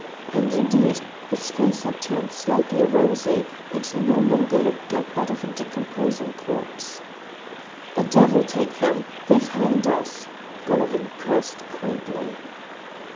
And indeed, his face had turned slightly rosy, and no longer looked like that of a decomposing corpse. "The devil take them; they've hanged us," Golovin cursed quaintly.